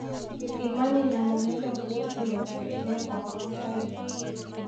Imani na mwenendo huu si wa kipekee kwa Wamasai